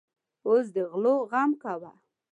اوس د غلو غم کوه.